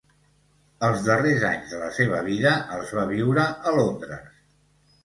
Els darrers anys de la seva vida els va viure a Londres.